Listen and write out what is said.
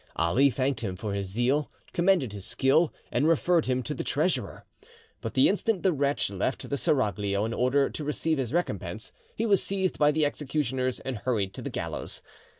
Ali thanked him for his zeal, commended his skill, and referred him to the treasurer. But the instant the wretch left the seraglio in order to receive his recompense, he was seized by the executioners and hurried to the gallows.